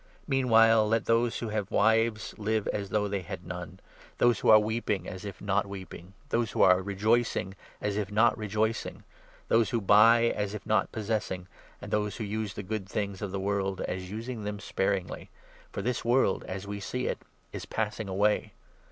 Meanwhile, let those who have wives live as if they had none, those who are weeping as if not 30 weeping, those who are rejoicing as if not rejoicing, those who buy as if not possessing, and those who use the good things of 31 the world as using them sparingly ; for this world as we see it is passing away.